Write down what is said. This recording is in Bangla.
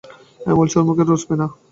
আমি বলছি, ওর মুখে রুচবে না!